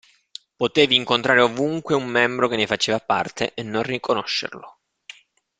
Potevi incontrare ovunque un membro che ne faceva parte e non riconoscerlo.